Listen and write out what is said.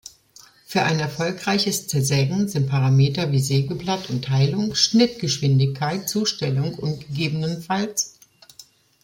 Für ein erfolgreiches Zersägen sind Parameter wie Sägeblatt und Teilung, Schnittgeschwindigkeit, Zustellung und ggf.